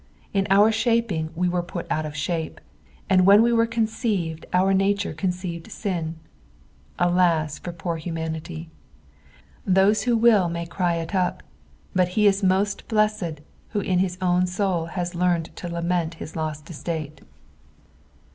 In our shaping we were put out of shnpe, and when we were conceived our nature conceived sin, Alas, for poor humanity ! Those who will may cry it up, but ho is must blessed who in bis own soul has learned to lament bis lost estate. 6.